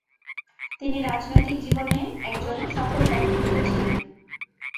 তিনি রাজনৈতিক জীবনে একজন সফল ব্যক্তিত্ব ছিলেন।